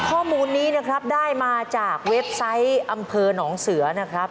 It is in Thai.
ข้อมูลนี้นะครับได้มาจากเว็บไซต์อำเภอหนองเสือนะครับ